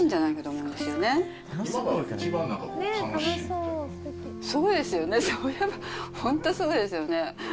そうですよね、そういえば本当そうですよね。